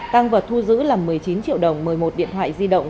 tăng vật thu giữ là một mươi chín triệu đồng một mươi một điện thoại di động